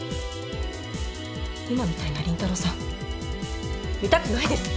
今みたいな凛太郎さん見たくないです。